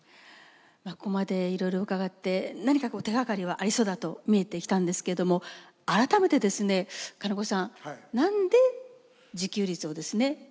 ここまでいろいろ伺って何かこう手がかりはありそうだと見えてきたんですけども改めてですね金子さん何で自給率をですね